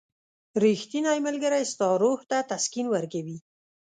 • ریښتینی ملګری ستا روح ته تسکین ورکوي.